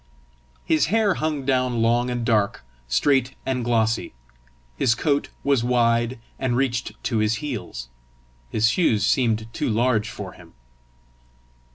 His hair hung down long and dark, straight and glossy. His coat was wide and reached to his heels. His shoes seemed too large for him.